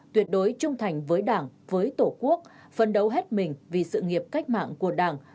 tuyệt đối trung thành với đảng với tổ quốc phân đấu hết mình vì sự nghiệp cách mạng của đảng